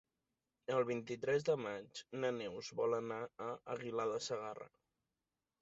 El vint-i-tres de maig na Neus vol anar a Aguilar de Segarra.